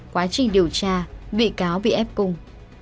quá trình điều tra bị cáo bị ép cung